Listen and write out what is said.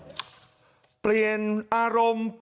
ความรับผิดชอบการตัดสินใจที่เด็ดขาด